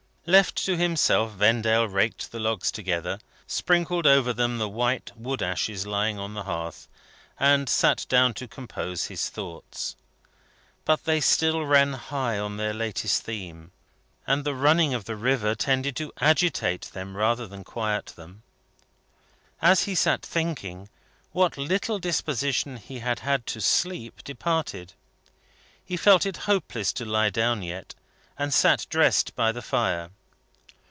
Left to himself, Vendale raked the logs together, sprinkled over them the white wood ashes lying on the hearth, and sat down to compose his thoughts. But they still ran high on their latest theme, and the running of the river tended to agitate rather than to quiet them. As he sat thinking, what little disposition he had had to sleep departed. He felt it hopeless to lie down yet, and sat dressed by the fire.